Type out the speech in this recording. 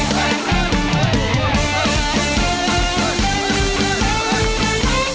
อปตมหาสนุก